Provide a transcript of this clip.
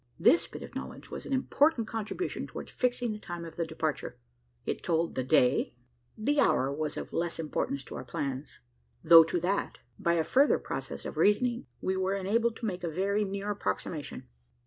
This bit of knowledge was an important contribution towards fixing the time of the departure. It told the day. The hour was of less importance to our plans; though to that, by a further process of reasoning, we were enabled to make a very near approximation.